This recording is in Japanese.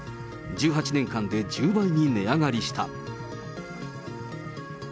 １８年間で１０倍に値上がりした。